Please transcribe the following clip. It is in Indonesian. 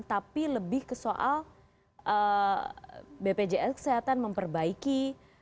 tapi lebih ke soal bpjs kesehatan memperbaiki